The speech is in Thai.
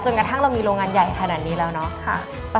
เรามีโรงงานใหญ่ขนาดนี้แล้วเนอะ